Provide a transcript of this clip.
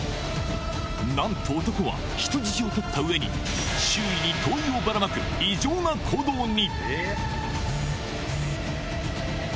なんと男は人質をとった上に周囲に灯油をばらまく異常な行動に！